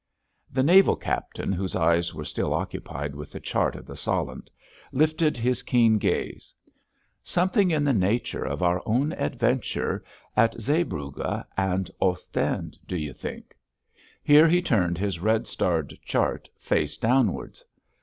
The naval captain whose eyes were still occupied with the chart of the Solent, lifted his keen gaze. "Something in the nature of our own adventure at Zeebrugge and Ostend, do you think?" Here he turned his red starred chart face downwards.